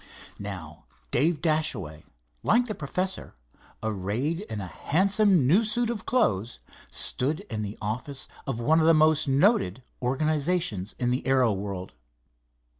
Now Dave Dashaway, like the professor, arrayed in a handsome new suit of clothes, stood in the office of one of the most noted organizations in the aero world.